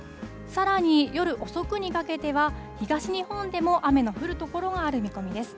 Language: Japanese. さらに夜遅くにかけては、東日本でも雨の降る所がある見込みです。